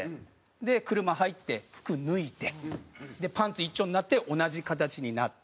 で車入って服脱いでパンツ一丁になって同じ形になって撮影する。